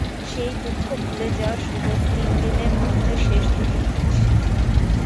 সেই দুঃখ ভুলে যাওয়ার সুযোগ তিন দিনের মধ্যে শেষ দুটি ম্যাচ।